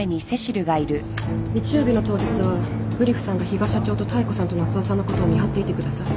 日曜日の当日はグリフさんが比嘉社長と妙子さんと夏雄さんのことを見張っていてください。